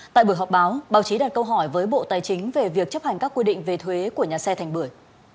tại buổi họp báo báo chí đặt câu hỏi với bộ tài chính về việc chấp hành các quy định về thuế của nhà xe thành bưởi